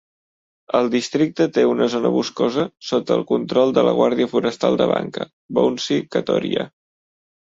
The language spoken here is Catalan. El districte té una zona boscosa sota el control de la guàrdia forestal de Banka, Bounsi Katoriya.